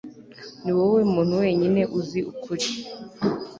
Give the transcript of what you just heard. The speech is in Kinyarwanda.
niwowe muntu wenyine uzi ukuri